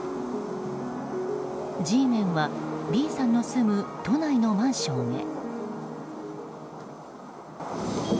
ＧメンはＢさんの住む都内のマンションへ。